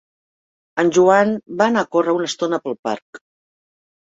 En Joan va anar a córrer una estona pel parc.